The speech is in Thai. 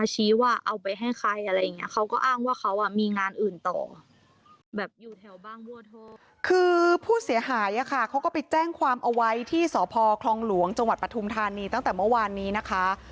แจ้งความเอาไว้ที่สพคลองหลวงจปฐุมธานีตั้งแต่เมื่อวานนี้นะคะ